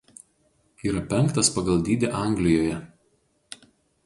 Yra penktas pagal dydį Anglijoje.